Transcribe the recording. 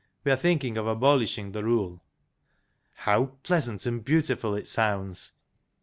We are thinking of abolishing the rule." " How pleasant and beautiful it sounds